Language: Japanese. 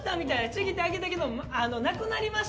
ちぎってあげたけどなくなりました